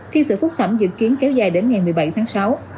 khi sự phúc thẩm dự kiến kéo dài đến ngày một mươi bảy tháng sáu